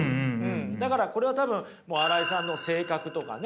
だからこれは多分新井さんの性格とかね。